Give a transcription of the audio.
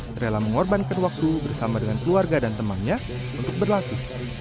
terela mengorbankan waktu bersama dengan keluarga dan temannya untuk berlatih